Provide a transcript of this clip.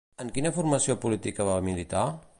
I en quina formació política va militar?